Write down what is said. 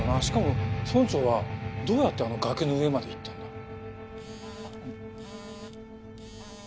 しかも村長はどうやってあの崖の上まで行ったんだ？